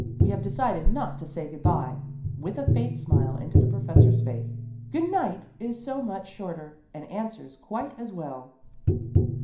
We have decided not to say good bye," with a faint smile into the pro fessor's face ;" good night is so much shorter, and answers quite as well."